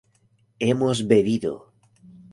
hemos bebido